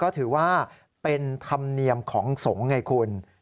ถือว่าเป็นธรรมเนียมของสงฆ์ไงคุณ